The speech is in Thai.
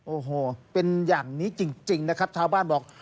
โอ้โหเป็นอย่างนี้จริงนะครับชาวบ้านบอก